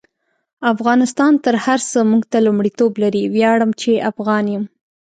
افغانستان تر هر سه مونږ ته لمړیتوب لري: ویاړم چی افغان يم